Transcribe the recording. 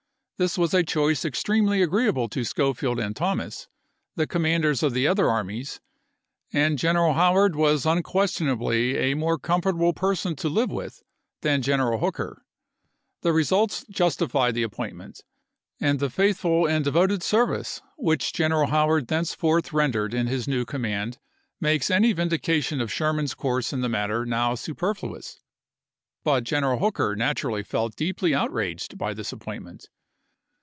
This was a choice extremely agreeable to Schofield and Thomas, the commanders of the other armies, and General Howard was unquestionably a more comfortable person to live with than General Hooker. The re sults justified the appointment, and the faithful and devoted service which General Howard thence forward rendered in his new command makes any vindication of Sherman's course in the matter now superfluous; but General Hooker naturally felt deeply outraged by this appointment.